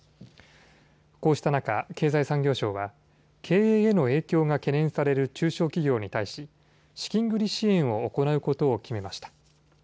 こうした中、経済産業省は経営への影響が懸念される中小企業に対し資金繰り支援を行うことを決めました。